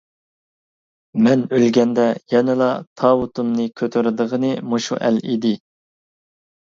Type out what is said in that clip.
مەن ئۆلگەندە يەنىلا تاۋۇتۇمنى كۆتۈرىدىغىنى مۇشۇ ئەل ئىدى.